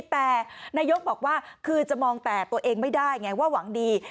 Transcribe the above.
แต่นายกบอกว่าคือจะมองแต่ตัวเองไม่ได้ไงว่าหวังดี